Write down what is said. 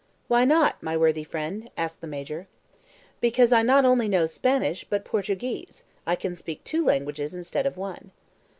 "Why not, my worthy friend?" asked the Major. "Because I not only know Spanish, but Portuguese. I can speak two languages instead of one."